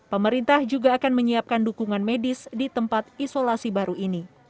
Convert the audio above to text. pemerintah juga akan menyiapkan dukungan medis di tempat isolasi baru ini